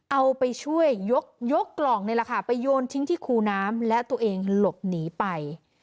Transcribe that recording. เอาไปช่วยยกกล่องนี่แหละค่ะไปโยนทิ้งที่คูน้ำและตัวเองหลบหนีไป